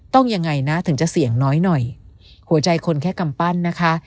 ยังไงนะถึงจะเสี่ยงน้อยหน่อยหัวใจคนแค่กำปั้นนะคะ